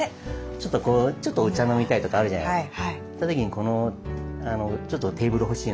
ちょっとちょっとお茶飲みたいとかあるじゃないですか。